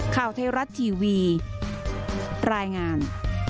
ข้าวเทราะทีวีรายงาน